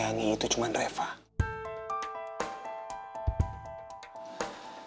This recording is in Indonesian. akudo sumuri sama cewek baik